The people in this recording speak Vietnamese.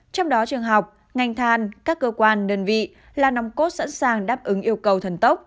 trong đó trường học ngành than các cơ quan đơn vị là nòng cốt sẵn sàng đáp ứng yêu cầu thần tốc